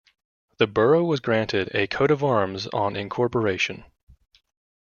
The borough was granted a coat of arms on incorporation.